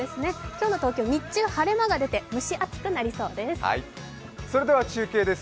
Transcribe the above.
今日の東京、日中、晴れ間が広がって蒸し暑くなりそうです。